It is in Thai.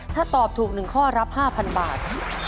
ถ้าตอบถูก๑ข้อรับ๕๐๐บาท